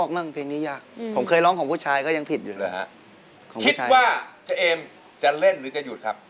ไม่เคยรู้มาก่อนเลยนะครับ